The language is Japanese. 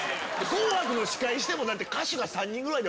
『紅白』の司会しても。